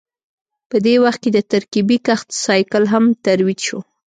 په دې وخت کې د ترکیبي کښت سایکل هم ترویج شو